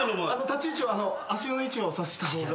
立ち位置を足の位置をさした方が。